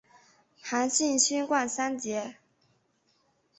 韩信勋冠三杰。